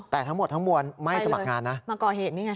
แต่ทั้งหมดทั้งมวลไม่สมัครงานนะมาก่อเหตุนี่ไง